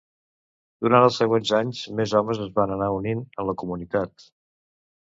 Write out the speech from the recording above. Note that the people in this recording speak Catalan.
Durant els següents anys, més homes es van anar unint a la comunitat.